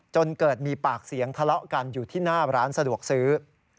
จนเกิดมีปากเสียงทะเลาะกันอยู่ที่หน้าร้านสะดวกซื้อ